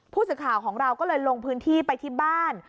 ผู้สื่อข่าวของเราก็เลยลงพื้นที่ไปที่บ้าน